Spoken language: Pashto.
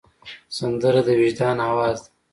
سندره د وجدان آواز ده